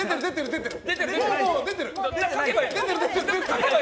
出てる！